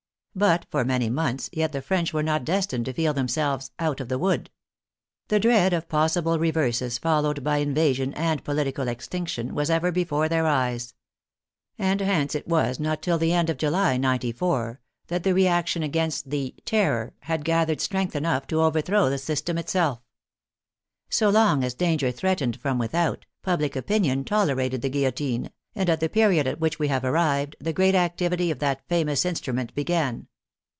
But for many months yet the French were not destined to feel them selves " out of the wood." The dread of possible re verses followed by invasion and political extinction was ever before their eyes. And hence it was not till the end of July, '94, that the reaction against the " Terror " had gathered strength enough to overthrow the system itself. So long as danger threatened from without, public opin ion tolerated the guillotine, and at the period at which we have arrived, the great activity of that famous instrument began.